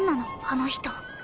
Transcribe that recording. あの人。